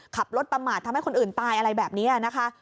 ขับรถประมาททำให้คนอื่นตายอะไรแบบนี้นะคะ